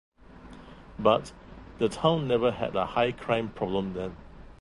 But, the town never had a high crime problem then.